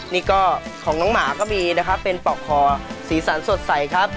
นี่ก็ของน้องหมาก็มีนะครับเป็นปอกคอสีสันสดใสครับ